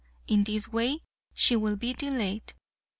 In this way she will be delayed.